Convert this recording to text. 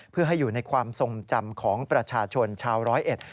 เพื่อให้อยู่ในความทรงจำของประชาชนชาวร้อยเอ็ด